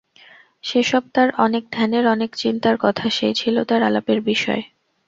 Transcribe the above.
যে-সব তার অনেক ধ্যানের অনেক চিন্তার কথা সেই ছিল তার আলাপের বিষয়।